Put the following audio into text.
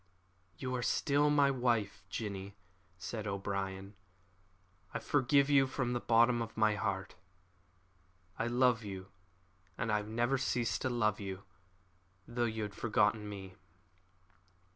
"You are still my wife, Jinny," said O'Brien; "I forgive you from the bottom of my heart. I love you, and I have never ceased to love you, though you had forgotten me."